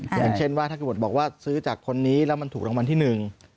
อย่างเช่นว่าถ้าเกิดบอกว่าซื้อจากคนนี้แล้วมันถูกรางวัลที่หนึ่ง